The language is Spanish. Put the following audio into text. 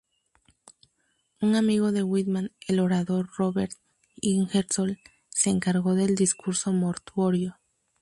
Un amigo de Whitman, el orador Robert Ingersoll, se encargó del discurso mortuorio.